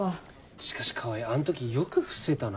しかし川合あん時よく伏せたな。